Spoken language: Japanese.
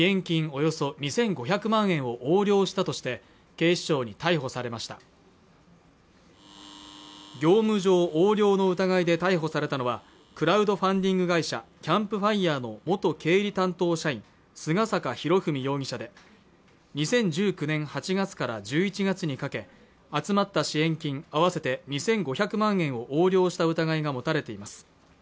およそ２５００万円を横領したとして警視庁に逮捕されました業務上横領の疑いで逮捕されたのはクラウドファンディング会社キャンプファイヤーの元経理担当社員菅坂博史容疑者で２０１９年８月から１１月にかけ集まった支援金合わせて２５００万円を横領した疑いが持たれています